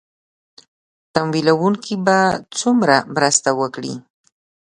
ې تمويلوونکي به څومره مرسته وکړي